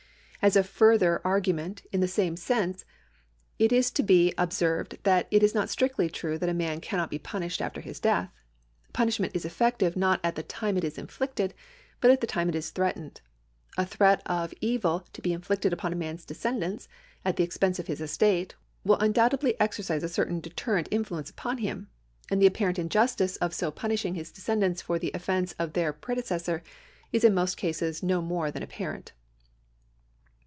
As a further argmneiit in the same sense, it is to be ob served that it is not strictly true that a man cannot be punished after his death. Punishment is effective not at the time it is inflicted, but at the time it is threatened. A threat of evil to be inflicted upon a man's descendants at the ex pense of his estate will undoubtedly exercise a certain deter rent influence upon him ; and the apparent injustice of so punisJiing his descendants for the offences of their prede cessor is in most cases no more than apparent.